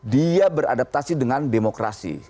dia beradaptasi dengan demokrasi